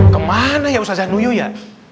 kemana ya ustazah nuyu ya